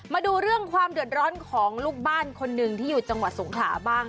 มาดูเรื่องความเดือดร้อนของลูกบ้านคนหนึ่งที่อยู่จังหวัดสงขลาบ้าง